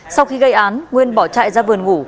sau khi gây án nguyên bỏ chạy ra vườn ngủ